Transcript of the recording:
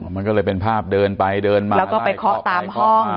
มันก็เลยเป็นภาพเดินไปเดินมาแล้วก็ไปเคาะตามห้อง